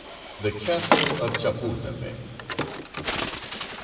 THE CASTLE OF CHAPULTEPEC.